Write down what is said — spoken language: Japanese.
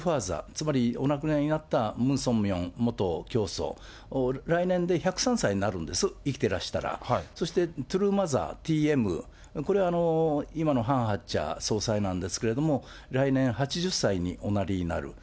つまりお亡くなりになったムン・ソンミョン元教祖、来年で１０３歳になるんです、生きてらしたら、そして、トゥルーマザー、ＴＭ、これは今のハン・ハクチャ総裁なんですけれども、来年８０歳におなりになる。